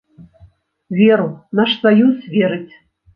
Веру, наш саюз верыць.